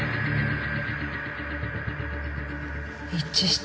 一致した。